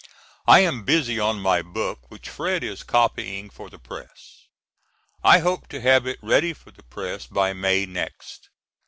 I am busy on my book which Fred is copying for the press. I hope to have it ready for the press by May next.